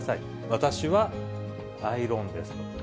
私はアイロンですと。